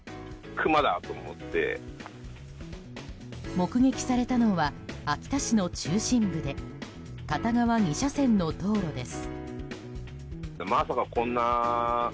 目撃されたのは秋田市の中心部で片側２車線の道路です。